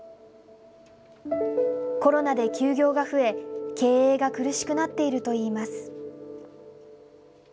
コロナで休業が増え、経営が苦しくなっているといいます。